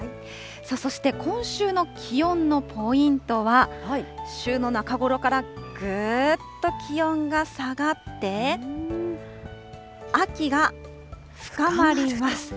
そして今週の気温のポイントは、週の中ごろからぐっと気温が下がって、秋が深まります。